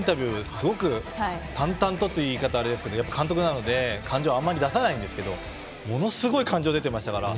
すごく淡々という言い方はあれですけどやっぱり監督なので感情をあんまり出さないんですけれどもものすごい感情が出てましたから。